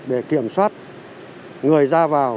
để kiểm soát người ra vào